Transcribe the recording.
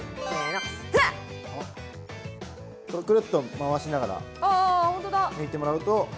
くるっと回しながら抜いてもらうと。